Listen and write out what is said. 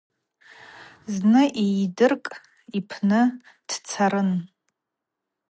Зны йдыркӏ йпны дцарын.